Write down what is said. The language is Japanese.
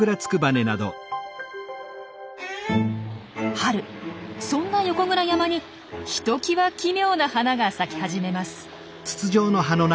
春そんな横倉山にひときわ奇妙な花が咲き始めます。